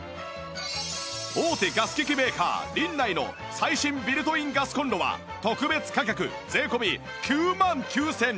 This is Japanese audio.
大手ガス機器メーカーリンナイの最新ビルトインガスコンロは特別価格税込９万９９００円